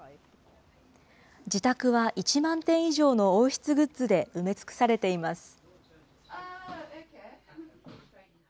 自宅は１万点以上の王室グッズで埋め尽くされています。